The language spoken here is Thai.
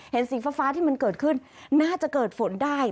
สีฟ้าที่มันเกิดขึ้นน่าจะเกิดฝนได้